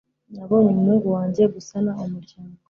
nabonye umuhungu wanjye gusana umuryango